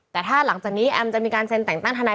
แต่ถ้าหลังจากนี้แอมจะมีการเซ็นแต่งตั้งทนาย